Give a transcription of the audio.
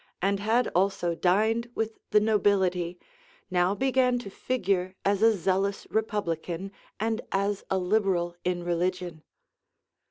and had also dined with the nobility, now began to figure as a zealous Republican and as a Liberal in religion.